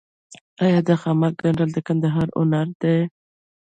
آیا د خامک ګنډل د کندهار هنر نه دی؟